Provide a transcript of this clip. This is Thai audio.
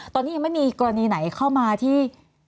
ตอนนี้ยังไม่มีกรณีไหนเข้ามาที่